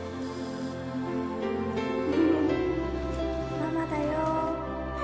・ママだよ